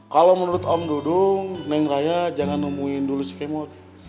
kalau menurut om dudung neng raya jangan nemuin dulu skema